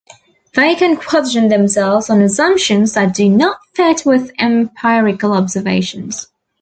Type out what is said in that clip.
They can question themselves on assumptions that do not fit with empirical observations.